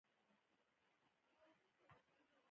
ساقي وویل نه زه به یې خپله وهم او چلاوم.